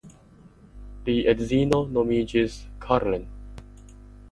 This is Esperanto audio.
Li edzino nomiĝis Karin.